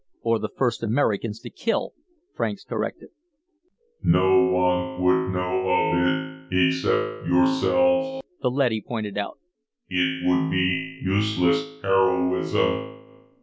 "Or the first Americans to kill," Franks corrected. "No one would know of it except yourselves," the leady pointed out. "It would be useless heroism.